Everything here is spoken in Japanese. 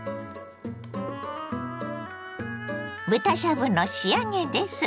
豚しゃぶの仕上げです。